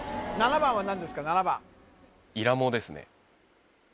７番は何ですか７番イラモですね